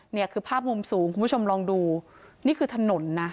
เนี่ยคือภาพมุมสูงคุณผู้ชมลองดูนี่คือถนนนะ